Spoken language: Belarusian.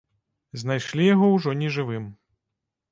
Знайшлі яго ўжо нежывым.